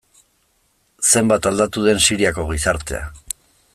Zenbat aldatu den Siriako gizartea.